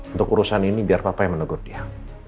untuk urusan ini biar papa yang menegur dia